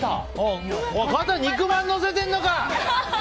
肩に肉まんのせてんのか！